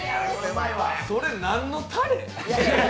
それなんのタレ？